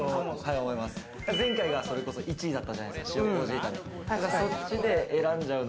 前回はそれこそ１位だったじゃないですか、塩麹炒め。